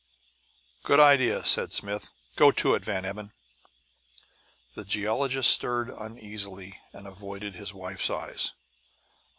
"Good idea," said Smith. "Go to it, Van Emmon." The geologist stirred uneasily, and avoided his wife's eyes.